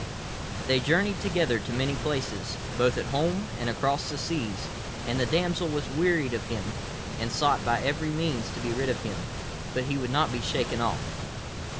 They journeyed together to many places, both at home and across the seas, and the damsel was wearied of him, and sought by every means to be rid of him, but he would not be shaken off.